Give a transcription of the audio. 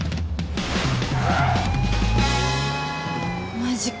マジか。